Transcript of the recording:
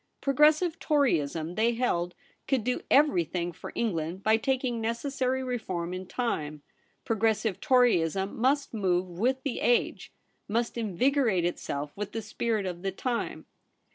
Progressive Toryism, they held, could do everything for England by taking necessary reform in time. Pro gressive Toryism must move with the age ; must invigorate itself with the spirit of the time.